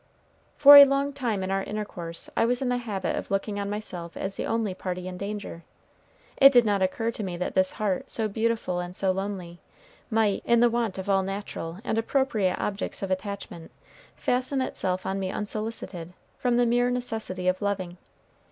For a long time in our intercourse I was in the habit of looking on myself as the only party in danger. It did not occur to me that this heart, so beautiful and so lonely, might, in the want of all natural and appropriate objects of attachment, fasten itself on me unsolicited, from the mere necessity of loving.